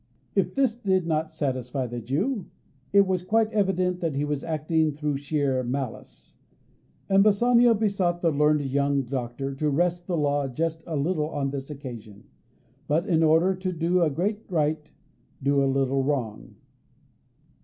If this did not satisfy the Jew, it was quite evident that he was acting through sheer malice; and Bassanio besought the learned young doctor to wrest the law just a little on this occasion, and, in order to do a great right, do a little wrong.